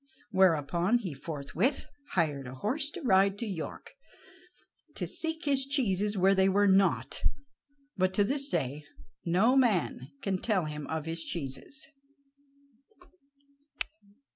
Thereupon he forthwith hired a horse to ride to York, to seek his cheeses where they were not, but to this day no man can tell him of his cheeses.